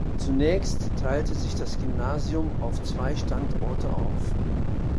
Zunächst teilte sich das Gymnasium auf zwei Standorte auf.